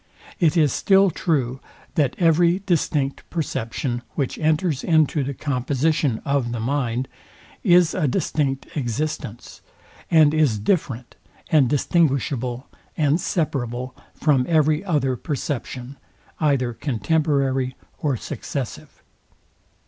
It is still true, that every distinct perception, which enters into the composition of the mind, is a distinct existence, and is different, and distinguishable, and separable from every other perception, either contemporary or successive.